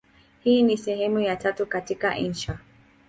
Hii ni sehemu ya tatu katika insha.